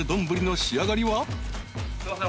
すいません。